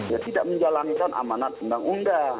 ya tidak menjalankan amanat undang undang